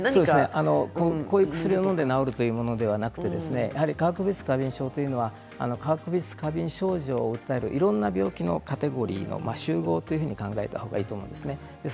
こういう薬をのんで治るということではなくて化学物質過敏症というのは過敏症状を訴えるいろんなカテゴリーの集合というふうに考えた方がいいと思います。